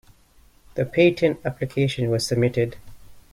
The patent application was submitted.